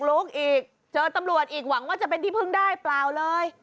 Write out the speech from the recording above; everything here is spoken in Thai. ลุกอีกเจอตำรวจอีกหวังว่าจะเป็นที่พึ่งได้เปล่าเลย